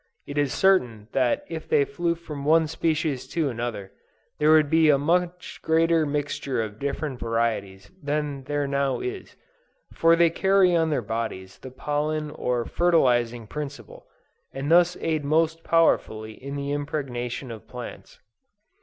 It is certain that if they flew from one species to another, there would be a much greater mixture of different varieties than there now is, for they carry on their bodies the pollen or fertilizing principle, and thus aid most powerfully in the impregnation of plants.